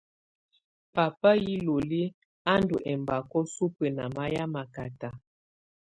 Pápá iloli á ndɔ́ ɛmbakɔ̀ supǝ́ ná mayɛ̀á makata.